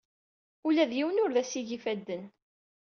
Ula d yiwen ur as-igi ifadden.